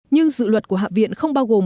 nhưng dự luật của hạ viện không bao gồm